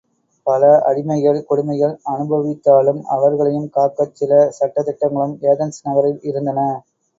பல அடிமைகள் கொடுமைகள் அனுபவித்தாலும், அவர்களையும் காக்கச் சில சட்டதிட்டங்களும் ஏதென்ஸ் நகரில் இருந்தன.